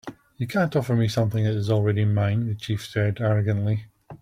"You can't offer me something that is already mine," the chief said, arrogantly.